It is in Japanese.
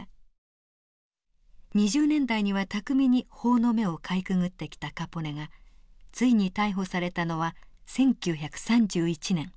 ２０年代には巧みに法の目をかいくぐってきたカポネがついに逮捕されたのは１９３１年。